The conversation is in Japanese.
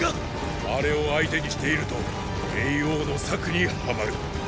あれを相手にしていると霊凰の策にはまる。